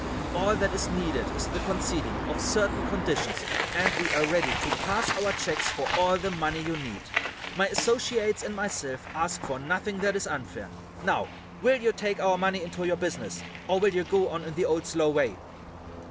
All that is needed is the conceding of certain conditions, and we are ready to pass our checks for all the money you need. My associates and myself ask for nothing that is unfair. Now, will you take our money into your business, or will you go on in the old, slow way?"